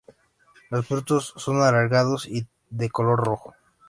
Los frutos son alargados y de color rojo.